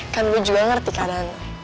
kan gue juga ngerti kan an